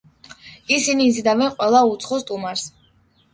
ისინი იზიდავენ ყველა უცხო სტუმარს.